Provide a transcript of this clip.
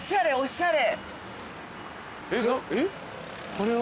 えっ？